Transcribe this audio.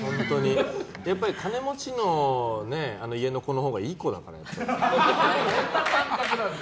やっぱり金持ちの家の子のほうがいい子だからね。